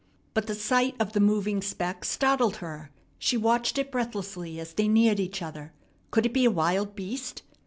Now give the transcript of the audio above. But the sight of the moving speck startled her. She watched it breathlessly as they neared each other. Could it be a wild beast?